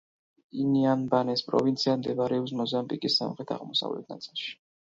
ინიამბანეს პროვინცია მდებარეობს მოზამბიკის სამხრეთ-აღმოსავლეთ ნაწილში.